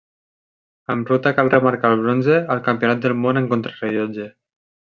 En ruta cal remarcar el bronze al Campionat del Món en contrarellotge.